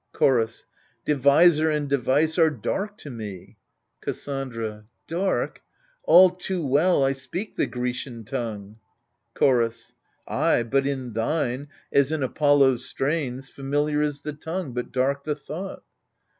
Chorus Deviser and device are dark to mp. Cassandra Dark ! all too well I speak the Grecian tongue Chorus Ay — but in thine, as in Apollo's strains, Familiar is the tongue, but dark the thought.